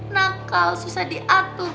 nakal susah diatur